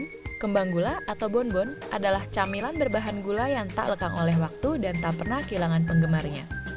daging kembang gula atau bonbon adalah camilan berbahan gula yang tak lekang oleh waktu dan tak pernah kehilangan penggemarnya